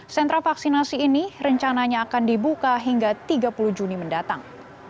sentra vaksinasi ini rencananya akan dibuka hingga tiga puluh juni mendatang